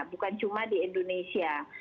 bukan cuma di indonesia